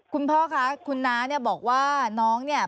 คุณพ่อคะคุณน้าเนี่ยบอกว่าน้องเนี่ย